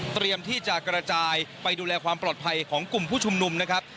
เตรียมที่จะกระจายไปดูแลความปลอดภัยของกลุ่มผู้ชุมนุมนะครับ